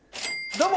どうも！